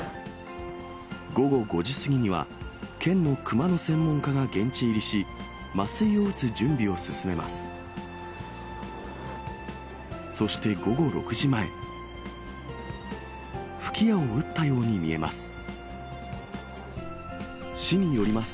午後５時過ぎには、県の熊の専門家が現地入りし、麻酔を打つ準備を進めます。